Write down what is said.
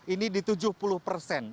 ini di tujuh puluh persen